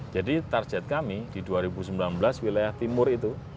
jadi target kami di dua ribu sembilan belas wilayah timur itu